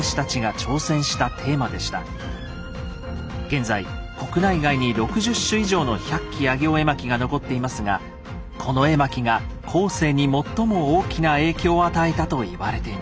現在国内外に６０種以上の「百鬼夜行絵巻」が残っていますがこの絵巻が後世に最も大きな影響を与えたと言われています。